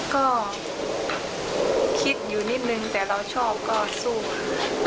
ก็คิดอยู่นิดนึงแต่เราชอบก็สู้ค่ะ